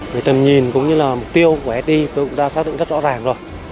về tầm nhìn cũng như là mục tiêu của st tôi cũng đã xác định rất rõ ràng rồi